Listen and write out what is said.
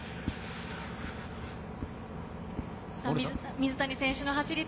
水谷選手の走りが